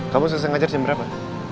kamu selesai ngajar jam berapa